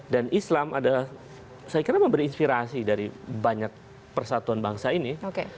dan islam adalah saya kira memberi inspirasi dari banyak persatuan bangsa ini